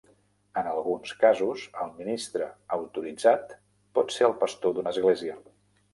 En alguns casos, el ministre autoritzat pot ser el pastor d'una església.